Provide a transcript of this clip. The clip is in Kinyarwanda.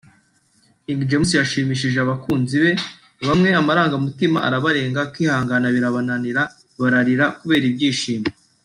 King James yashimishije abakunzi be bamwe amarangamutima arabarenga kwihangana birabananira bararira kubera ibyishimo